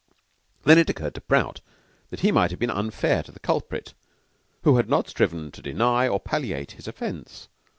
Then it occurred to Prout that he might have been unfair to the culprit, who had not striven to deny or palliate his offense.